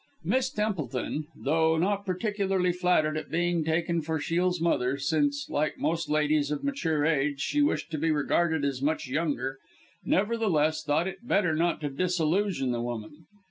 Miss Templeton, though not particularly flattered at being taken for Shiel's mother since, like most ladies of mature age, she wished to be regarded as much younger nevertheless, thought it better not to disillusion the woman.